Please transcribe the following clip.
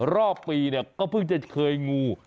รอบปีก็เพิ่งจะเคยงู